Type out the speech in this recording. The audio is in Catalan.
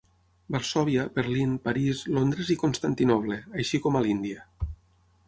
Varsòvia, Berlín, París, Londres i Constantinoble, així com a l'Índia.